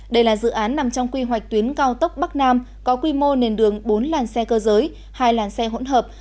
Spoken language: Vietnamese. đây là dự án nằm trong quy hoạch tuyến cao tốc bắc nam có quy mô nền đường bốn làn xe cơ giới hai làn xe hỗn hợp